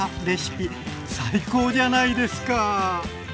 レシピ最高じゃないですか！